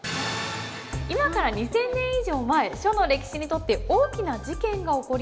今から２，０００年以上前書の歴史にとって大きな事件が起こります。